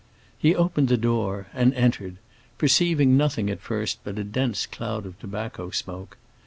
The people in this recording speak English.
He opened the door and entered, perceiving nothing at first but a dense cloud of tobacco smoke.